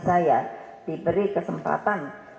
saya diberi kesempatan